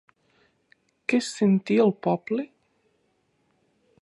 Què es sentia al poble?